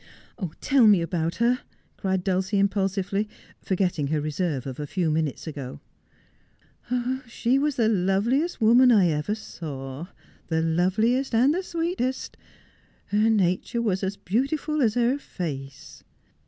' Tell me about her,' cried Dulcie impulsively, forgetting her reserve of a few minutes ago. ' She was the loveliest woman I ever saw — the loveliest and the sweetest. Her nature was as beautiful as her face.'